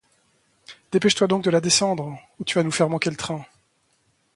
Dépêche-toi donc de la descendre, ou tu vas nous faire manquer le train !